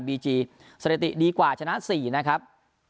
บีจีสถิติดีกว่าชนะ๔นะครับ